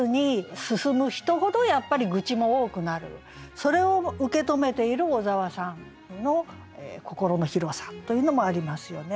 それを受け止めている小沢さんの心の広さというのもありますよね。